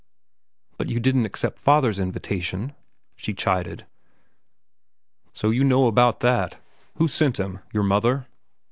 "But you didn't accept father's invitation," she chided. "So you know about that? Who sent him? Your mother?"